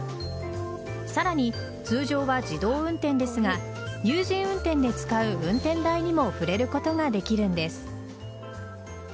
さらに、通常は自動運転ですが有人運転で使う運転台にも触れることができるんです。